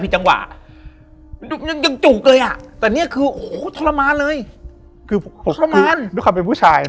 จุดที่เขาเป็นผู้ชาย